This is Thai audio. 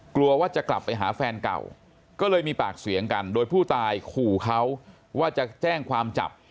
กลัวว่าจะกลับไปหาแฟนเก่าก็เลยมีปากเสียงกันโดยผู้ตายขู่เขาว่าจะแจ้งความจับ